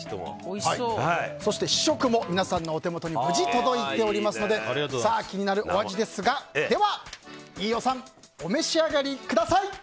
そして試食も皆さんのお手元に無事届いていますので気になるお味ですが飯尾さんお召し上がりください！